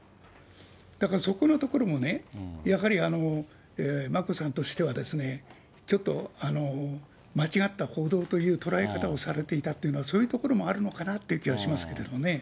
だからそこのところもね、やはり眞子さんとしては、ちょっと間違った報道という捉え方をされていたというのは、そういうところもあるのかなっていう気はしますけどね。